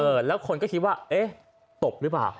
เออแล้วคนก็คิดว่าเอ๊ะอ้ะตบรึเปล่า